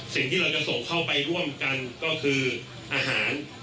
สิ่งที่เราจะส่งเข้าไปร่วมกันก็คืออาหาร